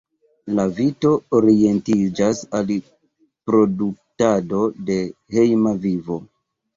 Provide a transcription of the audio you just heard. La vito orientiĝas al produktado de hejma vino.